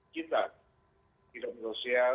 kita hidup sosial